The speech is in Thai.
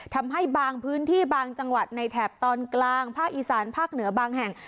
ทำให้บางพื้นที่บางจังหวัดในแถบตอนกลางภาคอีสานภาคเหนือบางแห่ง